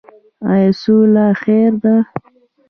آیا سوله خیر ده؟